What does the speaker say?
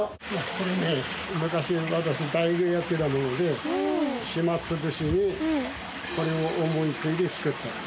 これね昔私大工やってたので暇潰しにこれを思いついて作った。